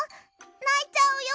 ないちゃうよ？